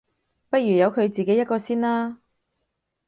不如由佢自己一個先啦